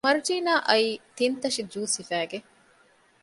މަރުޖީނާ އައީ ތިން ތަށި ޖޫސް ހިފައިގެން